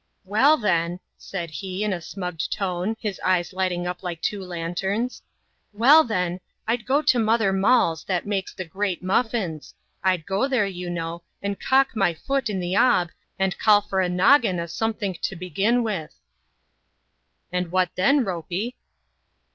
" Well, then,'* said he, in a smugged tone, his eyes lighting up like two lanterns, " well, then, I'd go to Mother Moll's that makes the great muffins : Td go there, you know, and cock my foot on the 'ob, and call for a noggin o' somethink to begin with." " And what then, Ropey